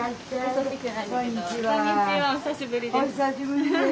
お久しぶりです。